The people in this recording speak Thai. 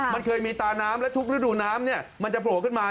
มันเคยมีตาน้ำและทุกฤดูน้ำมันจะโผล่ขึ้นมา